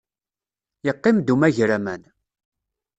Yeqqim-d umagraman.